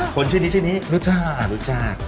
คนชื่อนี้รู้จัก